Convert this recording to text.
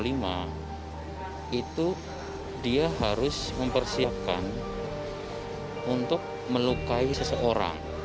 pasal tiga ratus lima puluh lima itu dia harus mempersiapkan untuk melukai seseorang